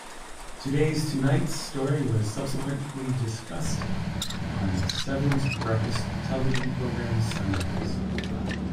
"Today Tonight"'s story was subsequently discussed on Seven's breakfast television program "Sunrise".